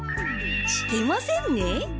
してませんね？